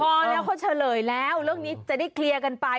พอแล้วเขาเฉลยแล้วเรื่องนี้จะได้เคลียร์กันไป